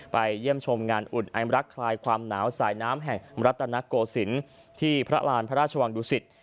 เยี่ยมชมงานอุ่นไอมรักคลายความหนาวสายน้ำแห่งรัฐนโกศิลป์ที่พระราณพระราชวังดุสิต